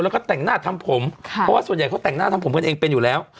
แล้วก็แต่งหน้าทำผมเพราะว่าส่วนใหญ่เขาแต่งหน้าทำผมกันเองเป็นอยู่แล้ว